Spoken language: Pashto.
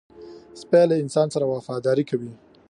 سپي له انسان سره وفاداري کوي.